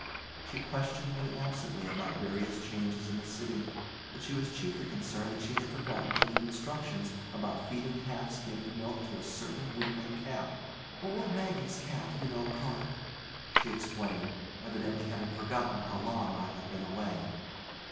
She questioned me absently about various changes in the city, but she was chiefly concerned that she had forgotten to leave instructions about feeding half skimmed milk to a certain weakling calf, "old Maggie's calf, you know, Clark," she explained, evidently having forgotten how long I had been away.